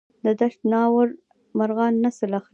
د دشت ناور مرغان نسل اخلي؟